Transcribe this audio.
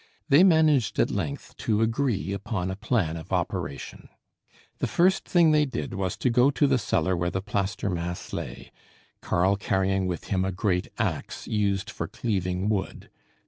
They managed at length to agree upon a plan of operation. The first thing they did was to go to the cellar where the plaster mass lay, Karl carrying with him a great axe used for cleaving wood.